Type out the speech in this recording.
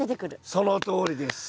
そのとおりです。